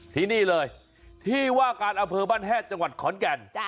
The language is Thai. ที่นี่เลยที่ว่าการอำเภอบ้านแฮดจังหวัดขอนแก่น